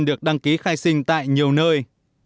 được đăng ký khai sinh tại nhiều nơi